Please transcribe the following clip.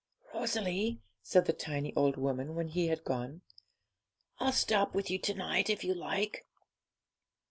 'Rosalie,' said the tiny old woman when he had gone, 'I'll stop with you to night, if you like.'